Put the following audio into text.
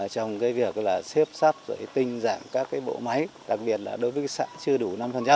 trong việc xếp sắp dạy tinh giảm các bộ máy đặc biệt là đối với xã chưa đủ năm